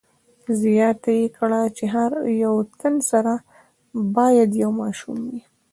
زیاته یې کړه چې هر یو تن سره باید یو ماشوم وي.